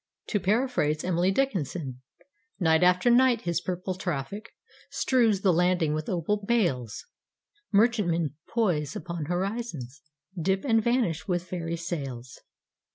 To paraphrase Emily Dickinson: Night after night his purple traffic Strews the landing with opal bales; Merchantmen poise upon horizons, Dip, and vanish with fairy sails.